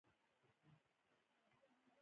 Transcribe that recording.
سړک د خلکو د ژغورنې لار ده.